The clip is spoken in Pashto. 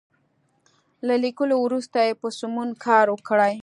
له ليکلو وروسته یې په سمون کار وکړئ.